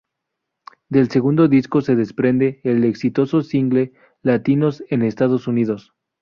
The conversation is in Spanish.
Del segundo disco se desprende el exitoso single "Latinos en Estados Unidos".